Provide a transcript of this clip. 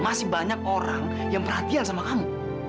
masih banyak orang yang perhatian sama kamu